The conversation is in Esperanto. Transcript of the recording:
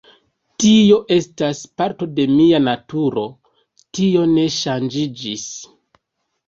Tio estas parto de mia naturo, tio ne ŝanĝiĝis.